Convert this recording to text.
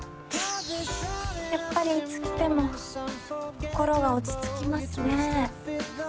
やっぱりいつ来ても心が落ち着きますね。